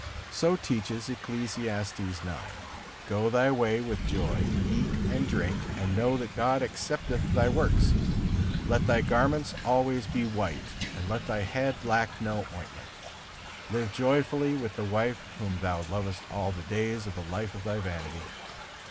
So teaches Ecclesiastes ix: "Go thy way with joy, eat and drink, and know that God accepteth thy works. Let thy garments be always white; and let thy head lack no ointment. Live joyfully with the wife whom thou lovest all the days of the life of thy vanity."